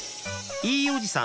いいおじさん